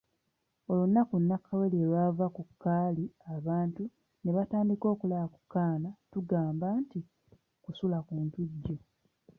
Olunaku Nakawere lw’ava ku kaali abantu ne batandika okulaba ku kaana tugamba nti kusula ku Ntujjo.